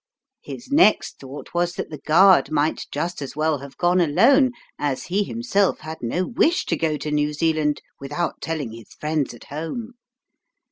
His next thought was that the guard might just as well have gone alone, as he himself had no wish to go to New Zealand without telling his friends at home.